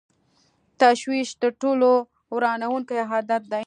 تشویش تر ټولو ورانوونکی عادت دی.